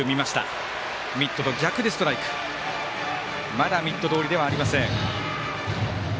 まだミットどおりではありません。